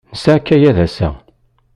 Nesɛa akayad ass-a.